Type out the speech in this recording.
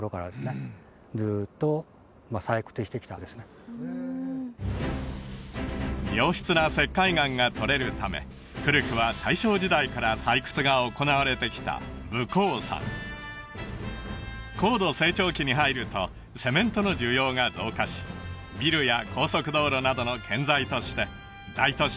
これは良質な石灰岩がとれるため古くは大正時代から採掘が行われてきた武甲山高度成長期に入るとセメントの需要が増加しビルや高速道路などの建材として大都市